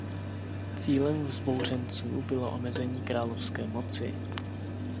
Cílem vzbouřenců bylo omezení královské moci.